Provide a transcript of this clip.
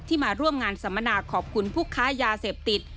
มาร่วมงานสัมมนาขอบคุณผู้ค้ายาเสพติด